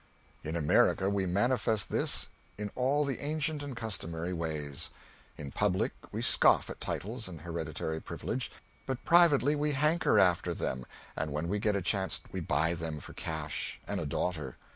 In America we manifest this in all the ancient and customary ways. In public we scoff at titles and hereditary privilege, but privately we hanker after them, and when we get a chance we buy them for cash and a daughter.